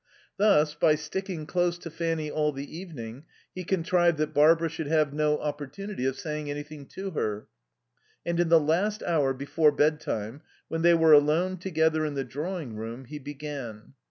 Thus, by sticking close to Fanny all the evening he contrived that Barbara should have no opportunity of saying anything to her. And in the last hour before bed time, when they were alone together in the drawing room, he began.